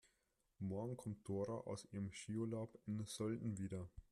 Morgen kommt Dora aus ihrem Skiurlaub in Sölden wieder.